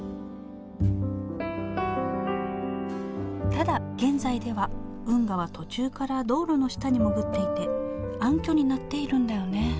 ただ現在では運河は途中から道路の下に潜っていて暗渠になっているんだよね